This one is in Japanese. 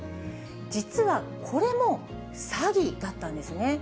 実はこれも詐欺だったんですね。